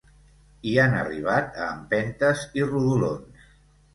Hi han arribat a empentes i rodolons.